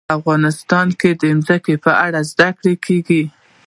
افغانستان کې د ځمکه په اړه زده کړه کېږي.